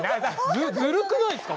ずるくないですか？